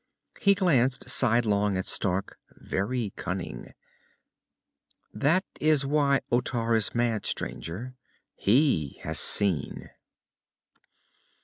He glanced sidelong at Stark, very cunning. "That is why Otar is mad, stranger. _He has seen.